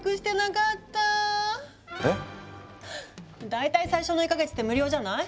大体最初の１か月って無料じゃない？